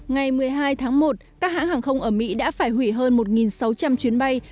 ngày một mươi hai tháng một các hãng hàng không ở mỹ đã phải hủy hơn một sáu trăm linh chuyến bay